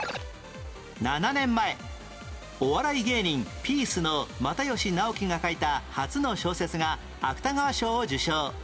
７年前お笑い芸人ピースの又吉直樹が書いた初の小説が芥川賞を受賞